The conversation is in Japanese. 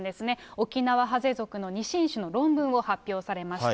オキナワハゼ属の２新種の論文を発表されました。